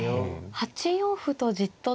８四歩とじっと。